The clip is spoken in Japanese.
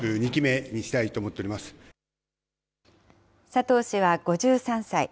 佐藤氏は５３歳。